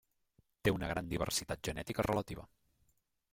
Té una gran diversitat genètica relativa.